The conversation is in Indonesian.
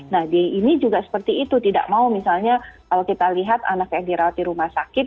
nah di ini juga seperti itu tidak mau misalnya kalau kita lihat anak yang dirawat di rumah sakit